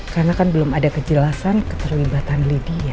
karena kan belum ada kejelasan keterlibatan lydia